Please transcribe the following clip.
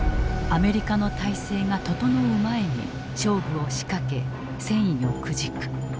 アメリカの体制が整う前に勝負を仕掛け戦意をくじく。